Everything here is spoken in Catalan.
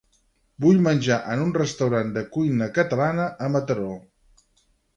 Vull menjar en un restaurant de cuina catalana a Mataró.